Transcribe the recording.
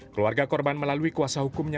keluarga korban melalui kuasa hukumnya